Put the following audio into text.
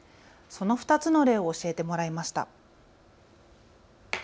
その２つの例を教えてもらいました。